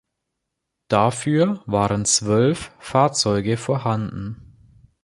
Dafür waren zwölf Fahrzeuge vorhanden.